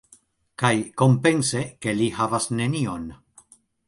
Kaj, kompense, ke li havas nenion.